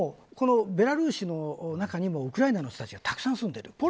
ベラルーシの中にもウクライナの人たちがたくさん住んでいる。